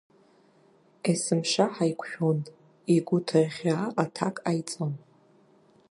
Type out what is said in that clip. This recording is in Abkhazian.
Есымша ҳаиқәшәон, игәы ҭыӷьӷьаа аҭак ҟаиҵон.